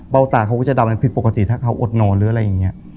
ตาเขาก็จะดำมันผิดปกติถ้าเขาอดนอนหรืออะไรอย่างนี้